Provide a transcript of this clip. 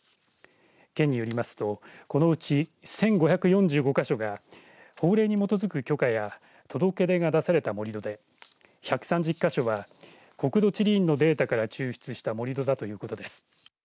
県によりますとこのうち１５４５か所が法令や法令に基づく許可や届け出が出された盛り土で１３０か所は国土地理院のデータから抽出した盛り土だということです。